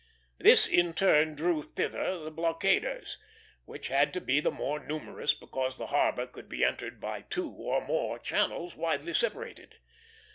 This in turn drew thither the blockaders, which had to be the more numerous because the harbor could be entered by two or more channels, widely separated.